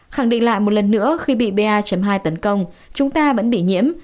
khẳng định lại một lần nữa khi bị ba hai tấn công chúng ta vẫn bị nhiễm